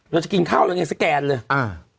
เราจะกินข้าวเราอย่างนี้สแกนปกปรับ